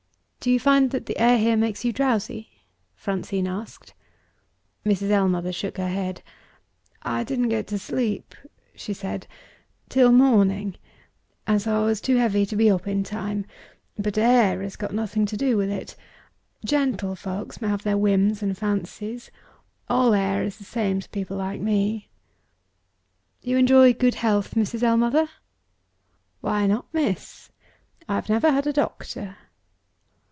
"Do you find that the air here makes you drowsy?" Francine asked. Mrs. Ellmother shook her head. "I didn't get to sleep," she said, "till morning, and so I was too heavy to be up in time. But air has got nothing to do with it. Gentlefolks may have their whims and fancies. All air is the same to people like me." "You enjoy good health, Mrs. Ellmother?" "Why not, miss? I have never had a doctor."